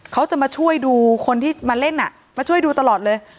เขาจะมาช่วยดูคนที่มาเล่นมาช่วยดูตลอดเลย